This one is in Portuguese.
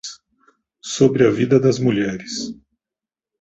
sobre a vida das mulheres